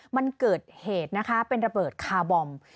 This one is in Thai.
มันเกิดเหตุนะคะเป็นระเบิดคาร์บอม